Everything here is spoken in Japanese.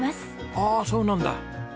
ああそうなんだ！